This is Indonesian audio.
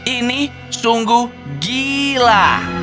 ini sungguh gila